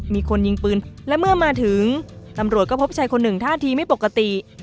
มีคนยิงปืนและเมื่อมาถึงตำรวจก็พบชายคนหนึ่งท่าทีไม่ปกติ